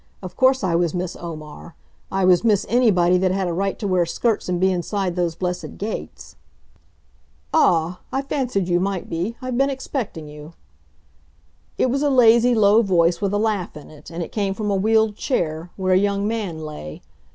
Of course I was Miss Omar. I was Miss Anybody that had a right to wear skirts and be inside those blessed gates. "Ah h! I fancied you might be. I've been expecting you." It was a lazy, low voice with a laugh in it, and it came from a wheeled chair, where a young man lay.